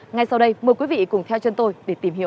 ngay sau đây mời quý vị cùng theo chân tôi để tìm hiểu